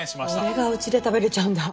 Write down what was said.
これが家で食べれちゃうんだ。